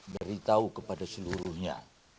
beritahu kepada seluruhnya